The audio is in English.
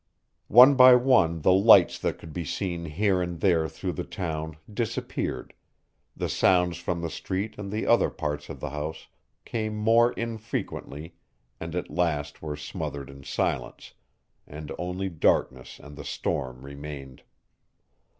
One by one the lights that could be seen here and there through the town disappeared, the sounds from the streets and the other parts of the house came more infrequently and at last were smothered in silence, and only darkness and the storm remained.